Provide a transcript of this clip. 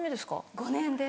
５年です。